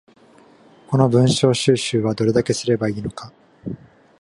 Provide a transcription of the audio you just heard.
この文章収集はどれだけすれば良いのか